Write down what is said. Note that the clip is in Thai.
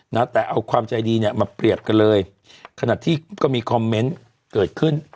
นะแต่เอาความใจดีเนี่ยมาเปรียบกันเลยขณะที่ก็มีคอมเมนต์เกิดขึ้น